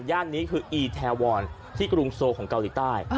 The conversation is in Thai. นี้คืออีแทวอนที่กรุงโซของเกาหลีใต้